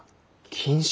禁止？